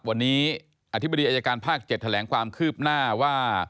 วันนี้อธิบดีอายการภาค๗แถลงความคืบหน้าว่า